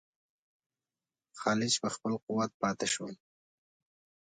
خلج په خپل قوت پاته شول.